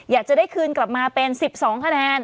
อยากจะได้คืนกลับมาเป็น๑๒คะแนน